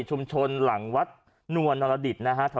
ชุมชนหลังวัดหนัวณรดิตนะฮะ